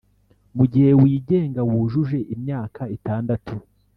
mugihe wigenga, wujuje imyaka itandatu,